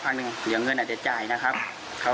เขาก็จะปีกเขามาต่อ